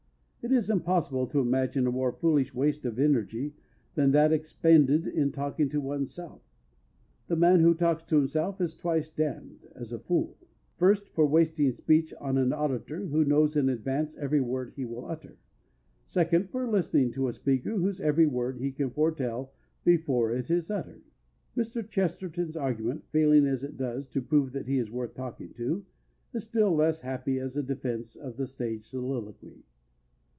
It is impossible to imagine a more foolish waste of energy than that expended in talking to one's self. The man who talks to himself is twice damned (as a fool). First, for wasting speech on an auditor who knows in advance every word he will utter. Second, for listening to a speaker whose every word he can foretell before it is uttered. Mr. Chesterton's argument, failing as it does to prove that he is worth talking to, is still less happy as a defense of the stage soliloquy.